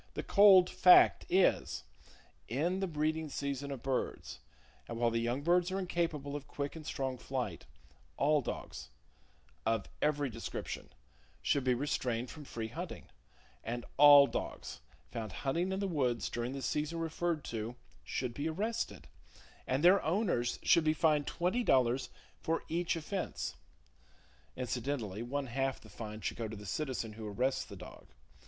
The cold fact is: In the breeding season of birds, and while the young birds are incapable of quick and strong flight, all dogs, of every description, should be restrained from free hunting; and all dogs found hunting in the woods during the season referred to should be arrested, and their owners should be fined twenty dollars for each offense. Incidentally, one half the fine should go to the citizen who arrests the dog.